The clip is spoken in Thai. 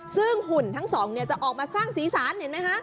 ซึ่งหุ่นทั้งสองเนี่ยจะออกมาสร้างสีสันเห็นไหมคะ